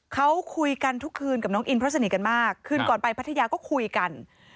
เขาคุยกันทุกคืนกับน้องอินเพราะสนิทกันมากคืนก่อนไปพัทยาก็คุยกัน